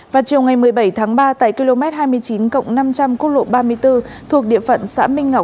vào chiều ngày một mươi bảy tháng ba tại km hai mươi chín cộng năm trăm linh quốc lộ ba mươi bốn thuộc địa phận xã minh ngọc